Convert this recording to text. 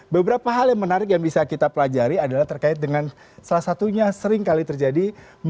beberapa hal yang menarik yang bisa kita pelajari adalah terkait dengan salah satunya sering kali terjadi